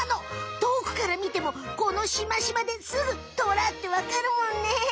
とおくから見てもこのシマシマですぐトラってわかるもんね。